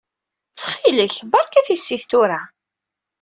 Ttxil-k, berka tissit tura.